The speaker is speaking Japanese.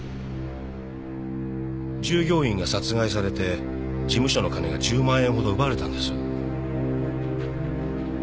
従業員が殺害されて事務所の金が１０万円ほど奪われたんです。